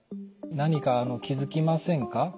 何か気付きませんか？